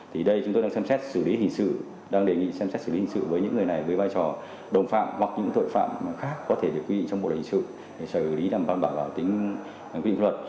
thì đây chúng tôi đang xem xét xử lý hình sự đang đề nghị xem xét xử lý hình sự với những người này với vai trò đồng phạm hoặc những tội phạm khác có thể được quy định trong một hình sự để xử lý làm văn bảo vào tính quy định pháp luật